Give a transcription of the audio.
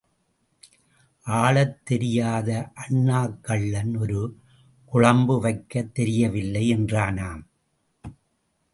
ஆளத் தெரியாத அண்ணாக்கள்ளன் ஒரு குழம்பு வைக்கத் தெரியவில்லை என்றானாம்.